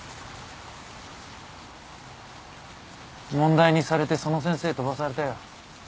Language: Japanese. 問題にされてその先生飛ばされたよ。